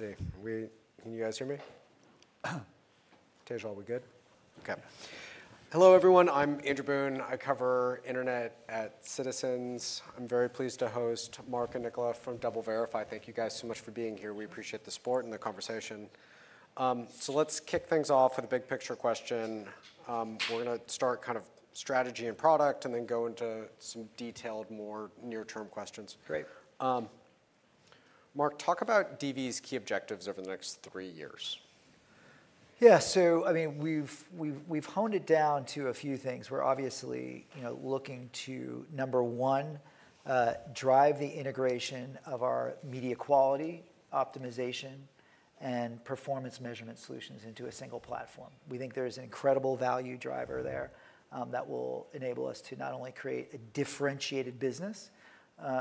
All right. Let's see. Can you guys hear me? Tejal, we're good? Okay. Hello, everyone. I'm Andrew Boone. I cover internet at Citizens. I'm very pleased to host Mark and Nicola from DoubleVerify. Thank you guys so much for being here. We appreciate the support and the conversation. So let's kick things off with a big picture question. We're going to start kind of strategy and product and then go into some detailed, more near-term questions. Great. Mark, talk about DV's key objectives over the next three years. Yeah. So I mean, we've honed it down to a few things. We're obviously looking to, number one, drive the integration of our media quality optimization and performance measurement solutions into a single platform. We think there is an incredible value driver there that will enable us to not only create a differentiated business,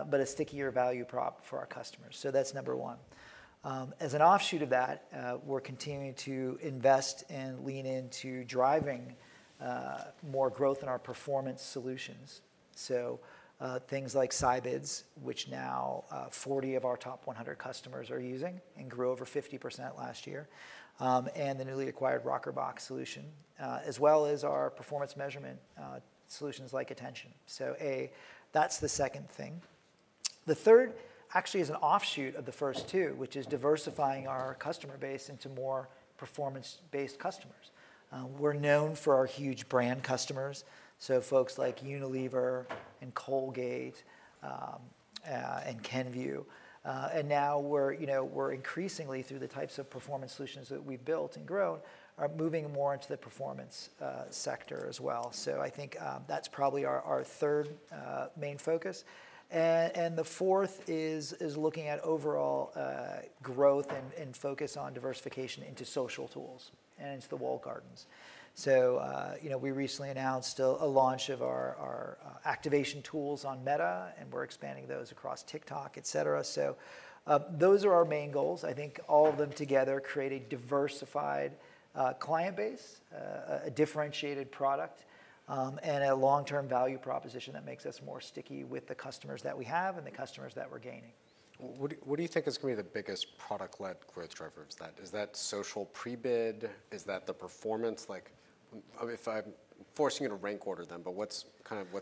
but a stickier value prop for our customers. So that's number one. As an offshoot of that, we're continuing to invest and lean into driving more growth in our performance solutions. So things like Scibids, which now 40 of our top 100 customers are using and grew over 50% last year, and the newly acquired Rockerbox solution, as well as our performance measurement solutions like Attention. So A, that's the second thing. The third actually is an offshoot of the first two, which is diversifying our customer base into more performance-based customers. We're known for our huge brand customers, so folks like Unilever and Colgate and Kenvue. And now we're increasingly, through the types of performance solutions that we've built and grown, moving more into the performance sector as well. So I think that's probably our third main focus. And the fourth is looking at overall growth and focus on diversification into social tools and into the walled gardens. So we recently announced a launch of our activation tools on Meta, and we're expanding those across TikTok, et cetera. So those are our main goals. I think all of them together create a diversified client base, a differentiated product, and a long-term value proposition that makes us more sticky with the customers that we have and the customers that we're gaining. What do you think is going to be the biggest product-led growth driver? Is that social pre-bid? Is that the performance? If I'm forcing you to rank order them, but what's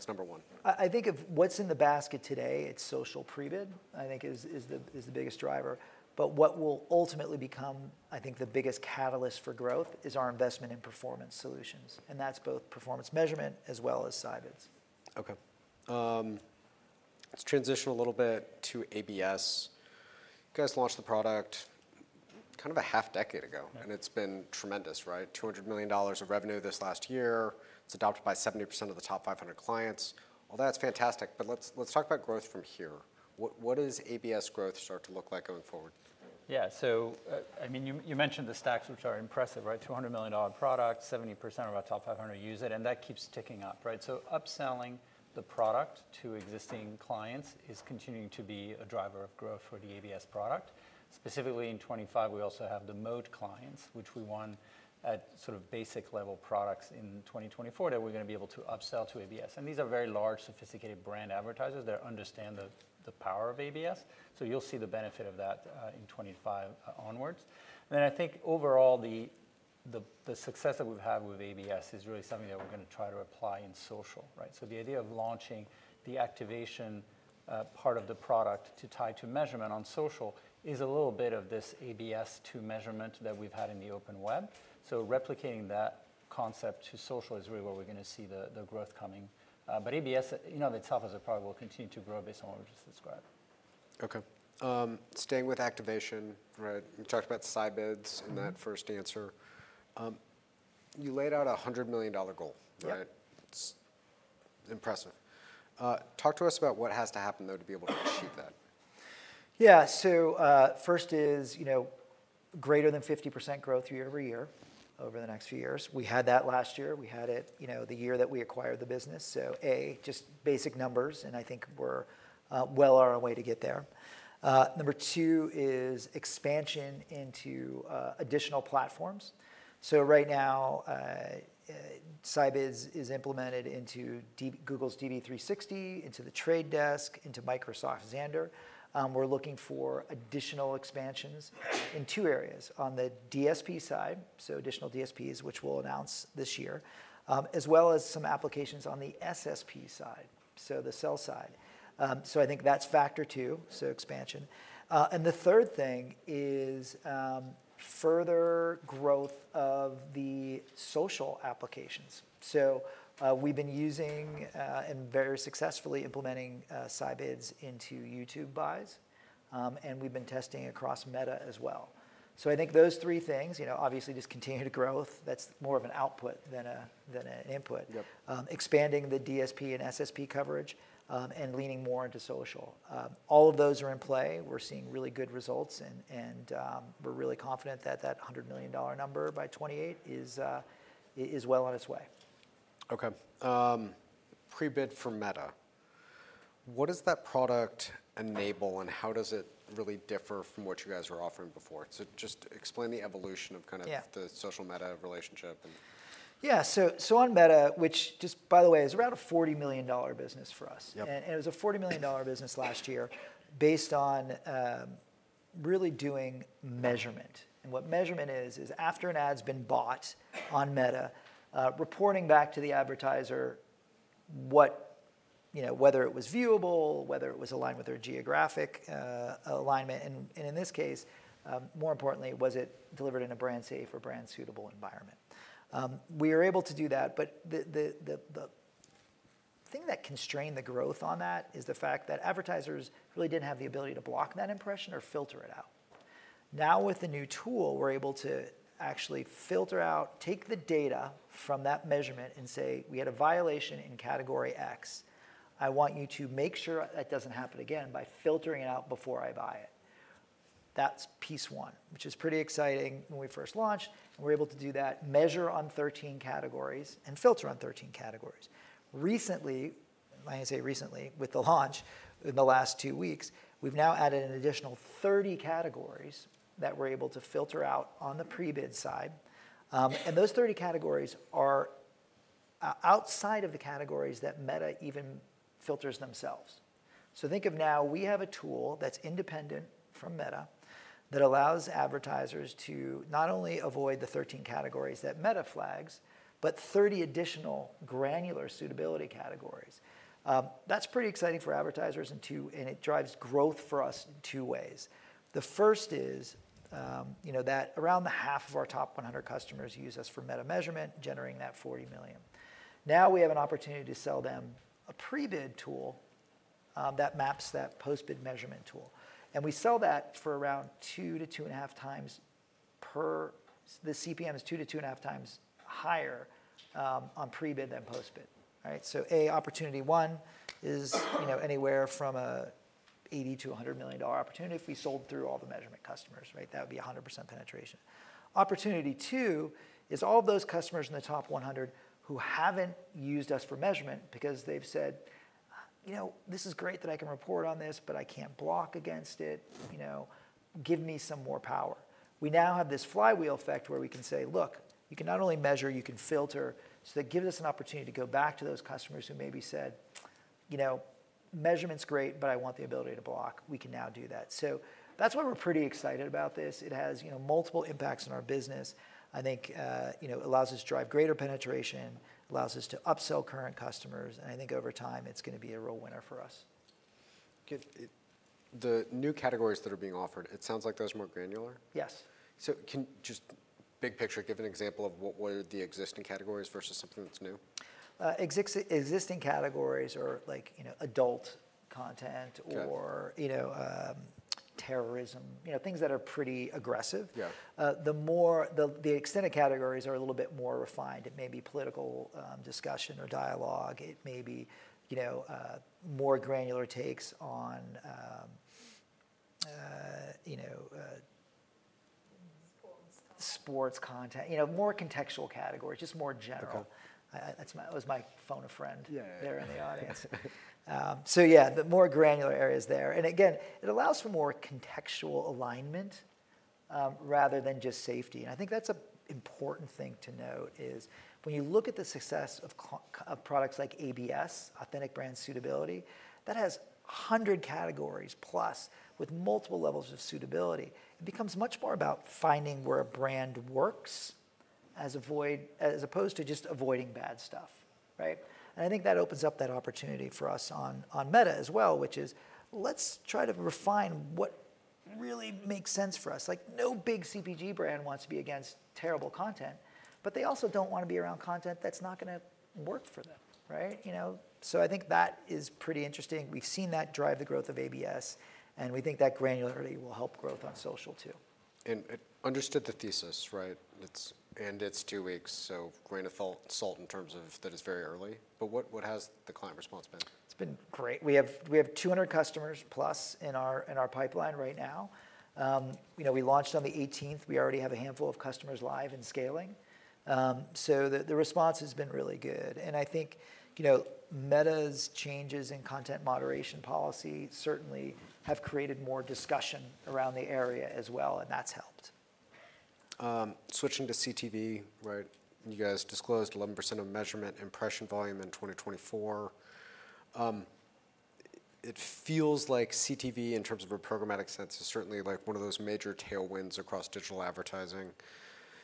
number one? I think what's in the basket today, it's social pre-bid, I think, is the biggest driver. But what will ultimately become, I think, the biggest catalyst for growth is our investment in performance solutions. And that's both performance measurement as well as SciBids. Okay. Let's transition a little bit to ABS. You guys launched the product kind of a half-decade ago, and it's been tremendous, right? $200 million of revenue this last year. It's adopted by 70% of the top 500 clients. Well, that's fantastic. But let's talk about growth from here. What does ABS growth start to look like going forward? Yeah. So I mean, you mentioned the stats, which are impressive, right? $200 million product, 70% of our top 500 use it, and that keeps ticking up, right? So upselling the product to existing clients is continuing to be a driver of growth for the ABS product. Specifically, in 2025, we also have the Moat clients, which we won at sort of basic level products in 2024 that we're going to be able to upsell to ABS. And these are very large, sophisticated brand advertisers that understand the power of ABS. So you'll see the benefit of that in 2025 onwards. And then I think overall, the success that we've had with ABS is really something that we're going to try to apply in social, right? So the idea of launching the activation part of the product to tie to measurement on social is a little bit of this ABS to measurement that we've had in the open web. So replicating that concept to social is really where we're going to see the growth coming. But ABS in and of itself as a product will continue to grow based on what we've just described. Okay. Staying with activation, right? You talked about Scibids in that first answer. You laid out a $100 million goal, right? Yeah. It's impressive. Talk to us about what has to happen, though, to be able to achieve that. Yeah. So first is greater than 50% growth year over year over the next few years. We had that last year. We had it the year that we acquired the business. So A, just basic numbers, and I think we're well on our way to get there. Number two is expansion into additional platforms. So right now, Scibids is implemented into Google's DV360, into the Trade Desk, into Microsoft Xandr. We're looking for additional expansions in two areas on the DSP side, so additional DSPs, which we'll announce this year, as well as some applications on the SSP side, so the sell side. So I think that's factor two, so expansion. And the third thing is further growth of the social applications. So we've been using and very successfully implementing Scibids into YouTube buys, and we've been testing across Meta as well. So I think those three things, obviously, just continued growth, that's more of an output than an input, expanding the DSP and SSP coverage, and leaning more into social. All of those are in play. We're seeing really good results, and we're really confident that that $100 million number by 2028 is well on its way. Okay. Pre-bid for Meta. What does that product enable, and how does it really differ from what you guys were offering before? So just explain the evolution of kind of the social-Meta relationship. Yeah. So on Meta, which, just by the way, is around a $40 million business for us. And it was a $40 million business last year based on really doing measurement. And what measurement is, is after an ad's been bought on Meta, reporting back to the advertiser whether it was viewable, whether it was aligned with their geographic alignment. And in this case, more importantly, was it delivered in a brand-safe or brand-suitable environment? We are able to do that. But the thing that constrained the growth on that is the fact that advertisers really didn't have the ability to block that impression or filter it out. Now with the new tool, we're able to actually filter out, take the data from that measurement and say, "We had a violation in category X. I want you to make sure that doesn't happen again by filtering it out before I buy it." That's piece one, which is pretty exciting when we first launched. And we're able to do that, measure on 13 categories, and filter on 13 categories. Recently, I say recently, with the launch in the last two weeks, we've now added an additional 30 categories that we're able to filter out on the pre-bid side. And those 30 categories are outside of the categories that Meta even filters themselves. So think of now we have a tool that's independent from Meta that allows advertisers to not only avoid the 13 categories that Meta flags, but 30 additional granular suitability categories. That's pretty exciting for advertisers, and it drives growth for us in two ways. The first is that around half of our top 100 customers use us for Meta measurement, generating that $40 million. Now we have an opportunity to sell them a pre-bid tool that maps that post-bid measurement tool. And we sell that for around two to two and a half times per the CPM is two to two and a half times higher on pre-bid than post-bid, right? So A, opportunity one is anywhere from a $80 million-$100 million opportunity if we sold through all the measurement customers, right? That would be 100% penetration. Opportunity two is all of those customers in the top 100 who haven't used us for measurement because they've said, "This is great that I can report on this, but I can't block against it. Give me some more power." We now have this flywheel effect where we can say, "Look, you can not only measure, you can filter." So that gives us an opportunity to go back to those customers who maybe said, "Measurement's great, but I want the ability to block." We can now do that. So that's why we're pretty excited about this. It has multiple impacts on our business. I think it allows us to drive greater penetration, allows us to upsell current customers. And I think over time, it's going to be a real winner for us. The new categories that are being offered, it sounds like those are more granular. Yes. So, just big picture, give an example of what were the existing categories versus something that's new. Existing categories are like adult content or terrorism, things that are pretty aggressive. The extended categories are a little bit more refined. It may be political discussion or dialogue. It may be more granular takes on. Sports content. Sports content. More contextual categories, just more general. That was my phone. A friend there in the audience. Yeah, the more granular area is there. And again, it allows for more contextual alignment rather than just safety. And I think that's an important thing to note is when you look at the success of products like ABS, Authentic Brand Suitability, that has 100 categories plus with multiple levels of suitability. It becomes much more about finding where a brand works as opposed to just avoiding bad stuff, right? And I think that opens up that opportunity for us on Meta as well, which is let's try to refine what really makes sense for us. No big CPG brand wants to be against terrible content, but they also don't want to be around content that's not going to work for them, right? So I think that is pretty interesting. We've seen that drive the growth of ABS, and we think that granularity will help growth on social too. And understood the thesis, right? And it's two weeks, so grain of salt in terms of that it's very early. But what has the client response been? It's been great. We have 200 customers plus in our pipeline right now. We launched on the 18th. We already have a handful of customers live and scaling. So the response has been really good. And I think Meta's changes in content moderation policy certainly have created more discussion around the area as well, and that's helped. Switching to CTV, right? You guys disclosed 11% of measurement impression volume in 2024. It feels like CTV in terms of a programmatic sense is certainly one of those major tailwinds across digital advertising.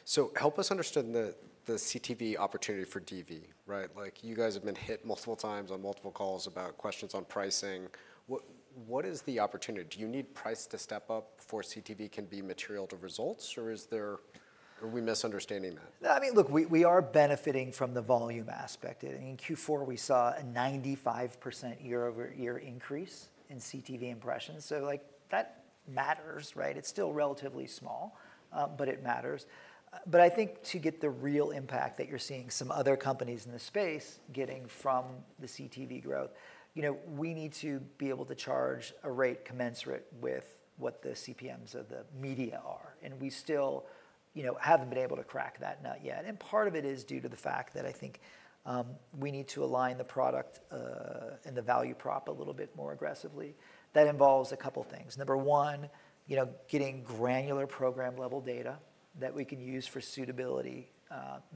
So help us understand the CTV opportunity for DV, right? You guys have been hit multiple times on multiple calls about questions on pricing. What is the opportunity? Do you need price to step up before CTV can be material to results, or are we misunderstanding that? I mean, look, we are benefiting from the volume aspect. In Q4, we saw a 95% year-over-year increase in CTV impressions. So that matters, right? It's still relatively small, but it matters. But I think to get the real impact that you're seeing some other companies in the space getting from the CTV growth, we need to be able to charge a rate commensurate with what the CPMs of the media are. And we still haven't been able to crack that nut yet. And part of it is due to the fact that I think we need to align the product and the value prop a little bit more aggressively. That involves a couple of things. Number one, getting granular program-level data that we can use for suitability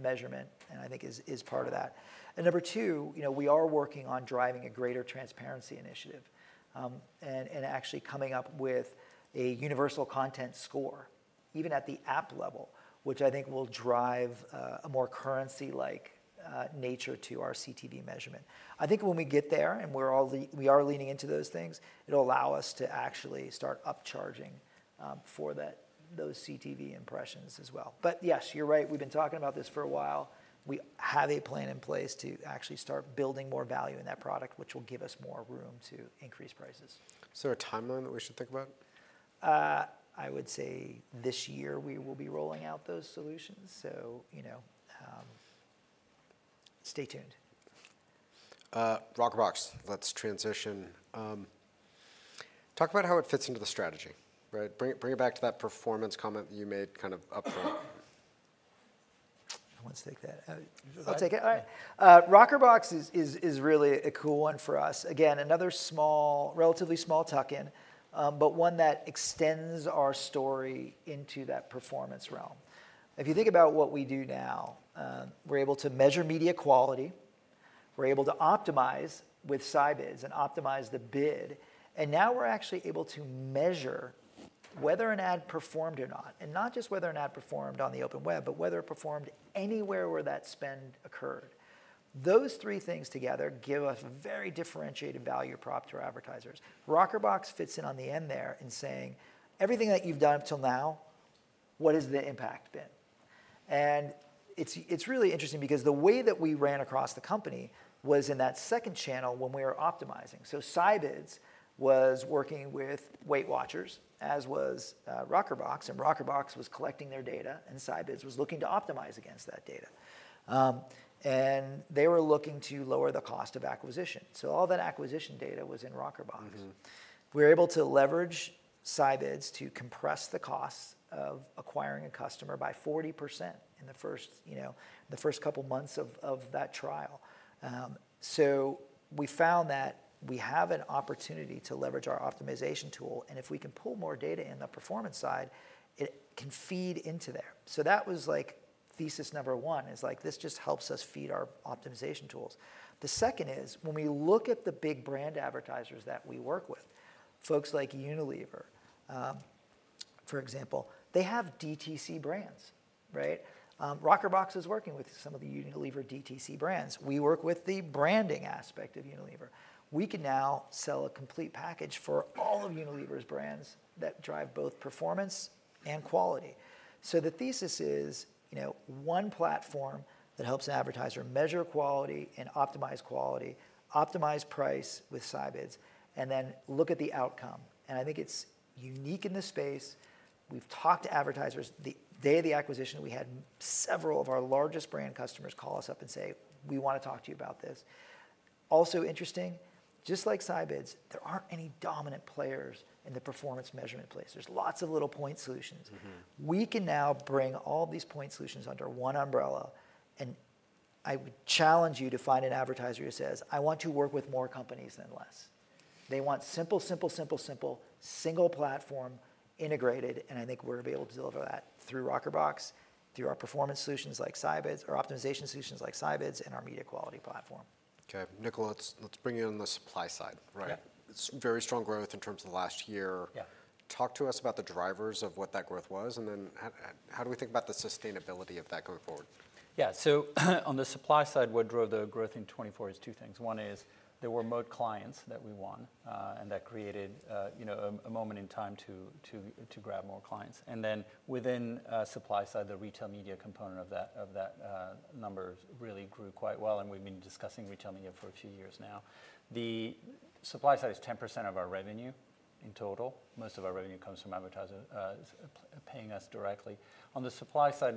measurement, and I think is part of that. Number two, we are working on driving a greater transparency initiative and actually coming up with a universal content score, even at the app level, which I think will drive a more currency-like nature to our CTV measurement. I think when we get there and we are leaning into those things, it'll allow us to actually start upcharging for those CTV impressions as well. But yes, you're right. We've been talking about this for a while. We have a plan in place to actually start building more value in that product, which will give us more room to increase prices. Is there a timeline that we should think about? I would say this year we will be rolling out those solutions, so stay tuned. Rockerbox, let's transition. Talk about how it fits into the strategy, right? Bring it back to that performance comment that you made kind of upfront. I want to take that. I'll take it. All right. Rockerbox is really a cool one for us. Again, another relatively small tuck-in, but one that extends our story into that performance realm. If you think about what we do now, we're able to measure media quality. We're able to optimize with Scibids and optimize the bid. And now we're actually able to measure whether an ad performed or not. And not just whether an ad performed on the open web, but whether it performed anywhere where that spend occurred. Those three things together give us a very differentiated value prop to our advertisers. Rockerbox fits in on the end there in saying, "Everything that you've done up till now, what has the impact been?" And it's really interesting because the way that we ran across the company was in that second channel when we were optimizing. So Scibids was working with WeightWatchers, as was Rockerbox. And Rockerbox was collecting their data, and Scibids was looking to optimize against that data. And they were looking to lower the cost of acquisition. So all that acquisition data was in Rockerbox. We were able to leverage Scibids to compress the costs of acquiring a customer by 40% in the first couple of months of that trial. So we found that we have an opportunity to leverage our optimization tool. And if we can pull more data in the performance side, it can feed into there. So that was like thesis number one, is like this just helps us feed our optimization tools. The second is when we look at the big brand advertisers that we work with, folks like Unilever, for example, they have DTC brands, right? Rockerbox is working with some of the Unilever DTC brands. We work with the branding aspect of Unilever. We can now sell a complete package for all of Unilever's brands that drive both performance and quality. So the thesis is one platform that helps an advertiser measure quality and optimize quality, optimize price with Scibids, and then look at the outcome. And I think it's unique in this space. We've talked to advertisers. The day of the acquisition, we had several of our largest brand customers call us up and say, "We want to talk to you about this." Also interesting, just like Scibids, there aren't any dominant players in the performance measurement place. There's lots of little point solutions. We can now bring all these point solutions under one umbrella. And I would challenge you to find an advertiser who says, "I want to work with more companies than less." They want simple, simple, simple, simple, single platform integrated. And I think we're able to deliver that through Rockerbox, through our performance solutions like Scibids, our optimization solutions like Scibids, and our media quality platform. Okay. Nicola, let's bring you on the supply side, right? Very strong growth in terms of the last year. Talk to us about the drivers of what that growth was, and then how do we think about the sustainability of that going forward? Yeah. So on the supply side, what drove the growth in 2024 is two things. One is there were remote clients that we won, and that created a moment in time to grab more clients. And then within supply side, the retail media component of that number really grew quite well. And we've been discussing retail media for a few years now. The supply side is 10% of our revenue in total. Most of our revenue comes from advertisers paying us directly. On the supply side,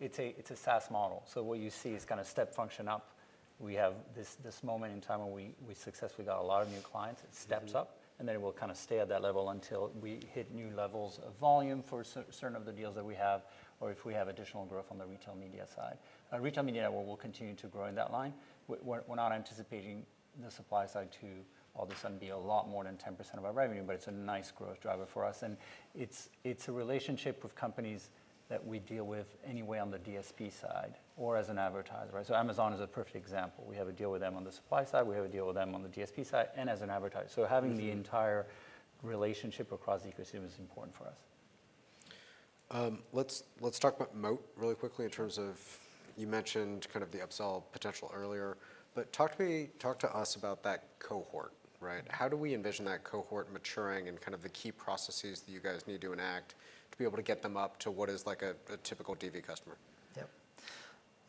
it's a SaaS model. So what you see is kind of step function up. We have this moment in time where we successfully got a lot of new clients. It steps up, and then it will kind of stay at that level until we hit new levels of volume for certain of the deals that we have, or if we have additional growth on the retail media side. Retail media will continue to grow in that line. We're not anticipating the supply side to all of a sudden be a lot more than 10% of our revenue, but it's a nice growth driver for us, and it's a relationship with companies that we deal with anyway on the DSP side or as an advertiser, right? Amazon is a perfect example. We have a deal with them on the supply side. We have a deal with them on the DSP side and as an advertiser, so having the entire relationship across the ecosystem is important for us. Let's talk about Moat really quickly in terms of you mentioned kind of the upsell potential earlier. But talk to us about that cohort, right? How do we envision that cohort maturing and kind of the key processes that you guys need to enact to be able to get them up to what is like a typical DV customer?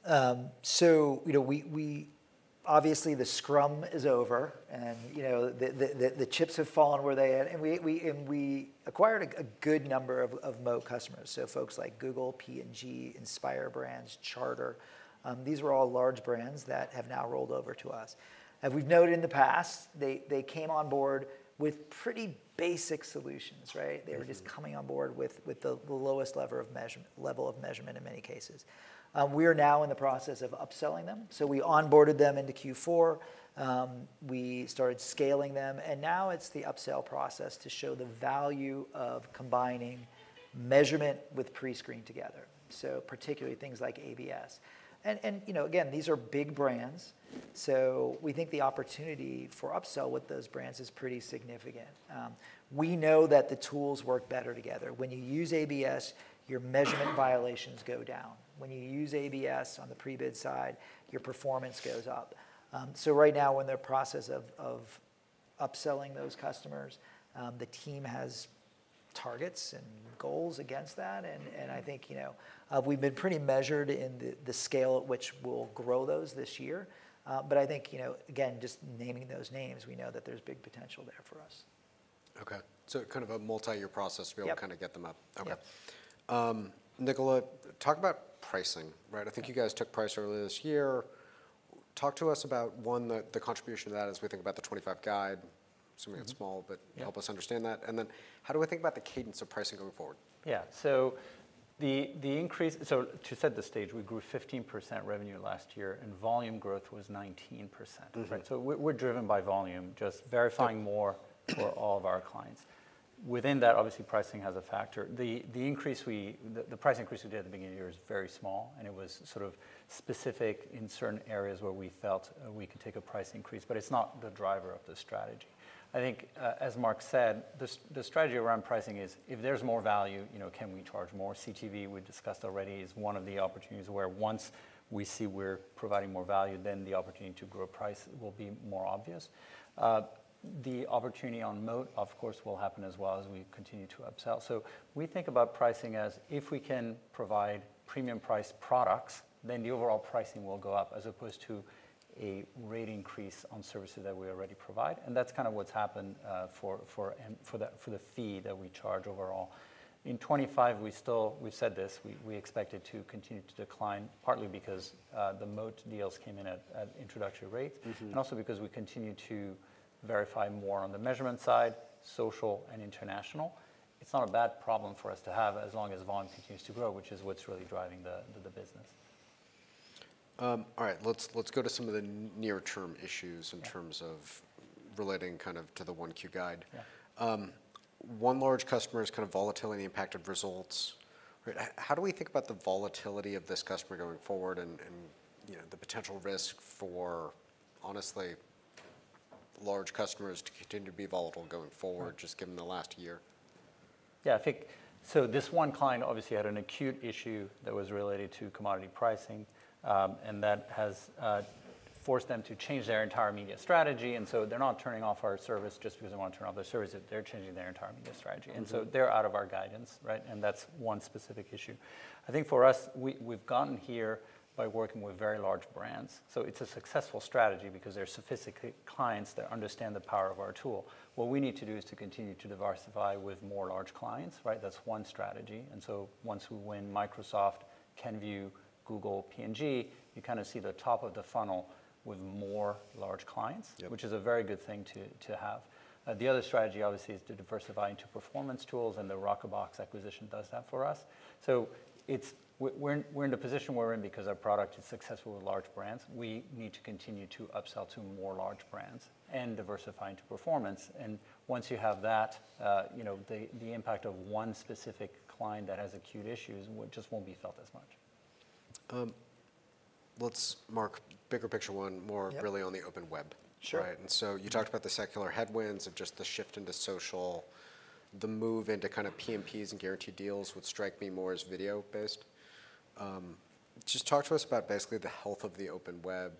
Yep. So obviously, the scrum is over, and the chips have fallen where they had. And we acquired a good number of Moat customers. So folks like Google, P&G, Inspire Brands, Charter, these were all large brands that have now rolled over to us. As we've noted in the past, they came on board with pretty basic solutions, right? They were just coming on board with the lowest level of measurement in many cases. We are now in the process of upselling them. So we onboarded them into Q4. We started scaling them. And now it's the upsell process to show the value of combining measurement with pre-bid together, so particularly things like ABS. And again, these are big brands. So we think the opportunity for upsell with those brands is pretty significant. We know that the tools work better together. When you use ABS, your measurement violations go down. When you use ABS on the pre-bid side, your performance goes up. So right now, we're in the process of upselling those customers. The team has targets and goals against that. And I think we've been pretty measured in the scale at which we'll grow those this year. But I think, again, just naming those names, we know that there's big potential there for us. Okay, so kind of a multi-year process to be able to kind of get them up. Yep. Okay. Nicola, talk about pricing, right? I think you guys took price earlier this year. Talk to us about what's the contribution to that as we think about the 2025 Guide. Assuming it's small, but help us understand that. And then how do we think about the cadence of pricing going forward? Yeah. So to set the stage, we grew 15% revenue last year, and volume growth was 19%, right? So we're driven by volume, just verifying more for all of our clients. Within that, obviously, pricing has a factor. The price increase we did at the beginning of the year is very small, and it was sort of specific in certain areas where we felt we could take a price increase, but it's not the driver of the strategy. I think, as Mark said, the strategy around pricing is if there's more value, can we charge more? CTV, we discussed already, is one of the opportunities where once we see we're providing more value, then the opportunity to grow price will be more obvious. The opportunity on Moat, of course, will happen as well as we continue to upsell. We think about pricing as if we can provide premium-priced products, then the overall pricing will go up as opposed to a rate increase on services that we already provide. That's kind of what's happened for the fee that we charge overall. In 2025, we've said this, we expect it to continue to decline partly because the Moat deals came in at introductory rates and also because we continue to verify more on the measurement side, social and international. It's not a bad problem for us to have as long as volume continues to grow, which is what's really driving the business. All right. Let's go to some of the near-term issues in terms of relating kind of to the 1Q guide. One large customer is kind of volatile in the impact of results. How do we think about the volatility of this customer going forward and the potential risk for, honestly, large customers to continue to be volatile going forward, just given the last year? Yeah. So this one client obviously had an acute issue that was related to commodity pricing, and that has forced them to change their entire media strategy, and so they're not turning off our service just because they want to turn off their service. They're changing their entire media strategy, and so they're out of our guidance, right? And that's one specific issue. I think for us, we've gotten here by working with very large brands, so it's a successful strategy because they're sophisticated clients that understand the power of our tool. What we need to do is to continue to diversify with more large clients, right? That's one strategy, and so once we win Microsoft, Kenvue, Google, P&G, you kind of see the top of the funnel with more large clients, which is a very good thing to have. The other strategy, obviously, is to diversify into performance tools, and the RockerBox acquisition does that for us. So we're in the position we're in because our product is successful with large brands. We need to continue to upsell to more large brands and diversify into performance. And once you have that, the impact of one specific client that has acute issues just won't be felt as much. Let's take the bigger picture one more time, really, on the Open Web, right? So you talked about the secular headwinds of just the shift into social. The move into kind of PMPs and guaranteed deals would strike me more as video-based. Just talk to us about basically the health of the Open Web.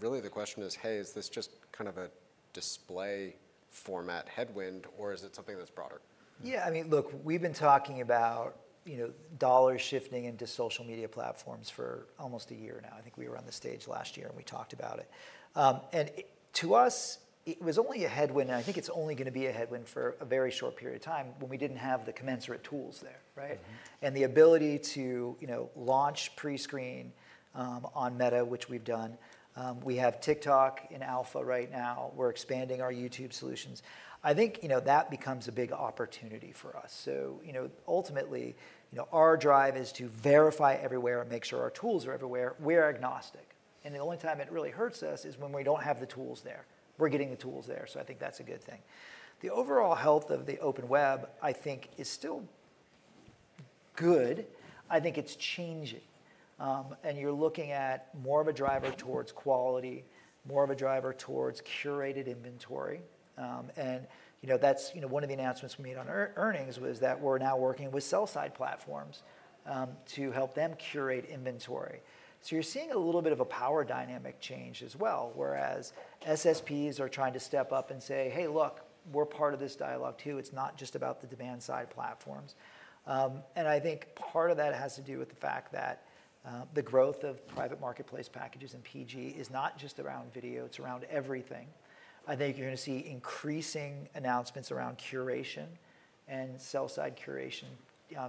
Really, the question is, hey, is this just kind of a display format headwind, or is it something that's broader? Yeah. I mean, look, we've been talking about dollars shifting into social media platforms for almost a year now. I think we were on the stage last year and we talked about it. And to us, it was only a headwind, and I think it's only going to be a headwind for a very short period of time when we didn't have the commensurate tools there, right? And the ability to launch pre-screen on Meta, which we've done. We have TikTok in alpha right now. We're expanding our YouTube solutions. I think that becomes a big opportunity for us. So ultimately, our drive is to verify everywhere and make sure our tools are everywhere. We're agnostic. And the only time it really hurts us is when we don't have the tools there. We're getting the tools there. So I think that's a good thing. The overall health of the Open Web, I think, is still good. I think it's changing. And you're looking at more of a driver towards quality, more of a driver towards curated inventory. And one of the announcements we made on earnings was that we're now working with sell-side platforms to help them curate inventory. So you're seeing a little bit of a power dynamic change as well, whereas SSPs are trying to step up and say, "Hey, look, we're part of this dialogue too. It's not just about the demand-side platforms." And I think part of that has to do with the fact that the growth of private marketplace packages and PG is not just around video. It's around everything. I think you're going to see increasing announcements around curation and sell-side curation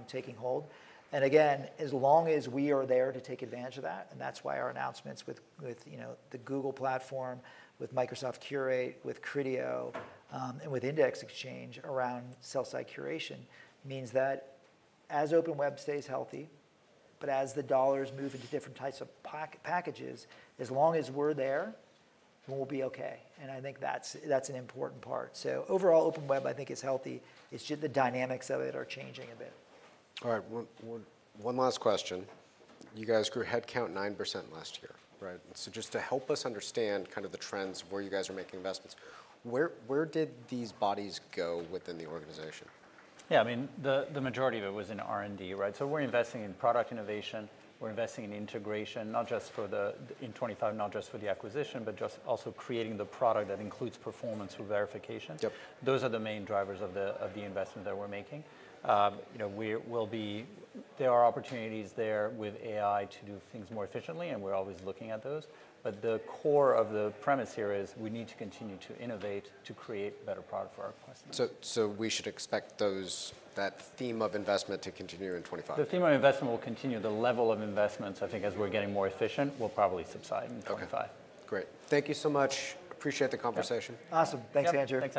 taking hold. And again, as long as we are there to take advantage of that, and that's why our announcements with the Google platform, with Microsoft Curate, with Criteo, and with Index Exchange around sell-side curation means that as open web stays healthy, but as the dollars move into different types of packages, as long as we're there, we'll be okay. And I think that's an important part. So overall, open web, I think, is healthy. It's just the dynamics of it are changing a bit. All right. One last question. You guys grew headcount 9% last year, right? So just to help us understand kind of the trends where you guys are making investments, where did these bodies go within the organization? Yeah. I mean, the majority of it was in R&D, right? So we're investing in product innovation. We're investing in integration, not just for the in 2025, not just for the acquisition, but just also creating the product that includes performance for verification. Those are the main drivers of the investment that we're making. There are opportunities there with AI to do things more efficiently, and we're always looking at those. But the core of the premise here is we need to continue to innovate to create better product for our customers. So we should expect that theme of investment to continue in 2025? The theme of investment will continue. The level of investments, I think, as we're getting more efficient, will probably subside in 2025. Okay. Great. Thank you so much. Appreciate the conversation. Awesome. Thanks, Andrew.